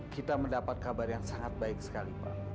kita mendapat kabar yang sangat baik sekali pak